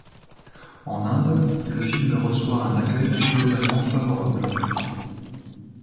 En Inde, le film reçoit un accueil globalement favorable.